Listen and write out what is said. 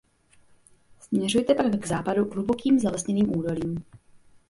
Směřuje pak k západu hlubokým zalesněným údolím.